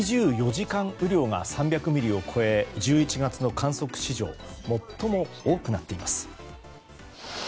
２４時間雨量が３００ミリを超え１１月の観測史上最も多くなっています。